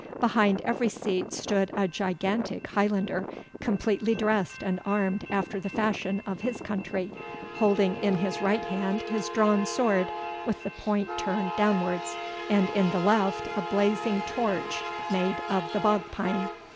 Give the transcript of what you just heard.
Behind every seat stood a gigantic Highlander, completely dressed and armed after the fashion of his country, holding in his right hand his drawn sword, with the point turned downwards, and in the left a blazing torch made of the bog pine.